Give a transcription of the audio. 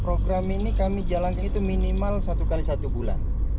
program ini kami jalankan itu minimal satu x satu bulan